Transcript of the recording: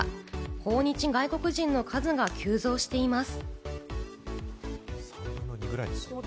訪日外国人の数が急増しています。